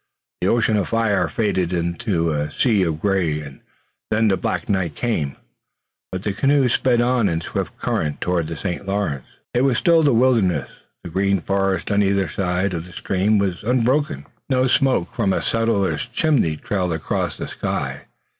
The ocean of fire faded into a sea of gray, and then black night came, but the canoe sped on in the swift current toward the St. Lawrence. It was still the wilderness. The green forest on either side of the stream was unbroken. No smoke from a settler's chimney trailed across the sky.